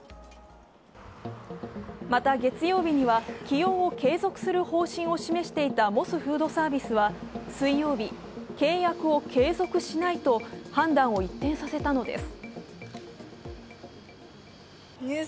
また月曜日には、起用を継続する方針を示していたモスフードサービスは水曜日、契約を継続しないと判断を一転させたのです。